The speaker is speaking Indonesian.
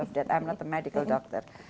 saya bukan seorang dokter